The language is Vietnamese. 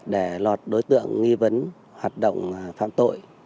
để lọt đối tượng nghi vấn hoạt động phạm tội